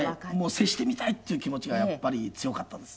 接してみたいっていう気持ちがやっぱり強かったです。